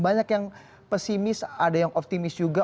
banyak yang pesimis ada yang optimis juga